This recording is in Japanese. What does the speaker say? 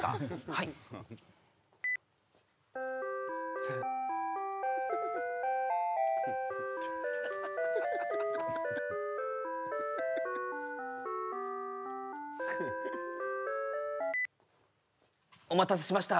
はいお待たせしました